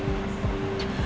dan dia sangat trauma